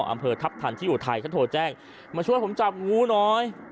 อำเภอทัพทันที่อุทัยเขาโทรแจ้งมาช่วยผมจับงูน้อย